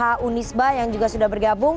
pak unisba yang juga sudah bergabung